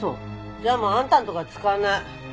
じゃあもうあんたのとこは使わない。